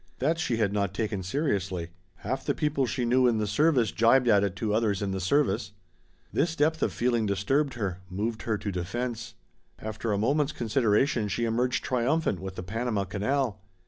That she had not taken seriously; half the people she knew in the service jibed at it to others in the service. This depth of feeling disturbed her, moved her to defense. After a moment's consideration she emerged triumphant with the Panama canal.